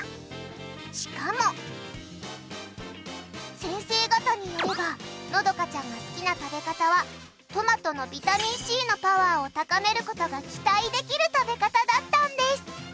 しかも先生方によればのどかちゃんが好きな食べ方はトマトのビタミンＣのパワーを高める事が期待できる食べ方だったんです！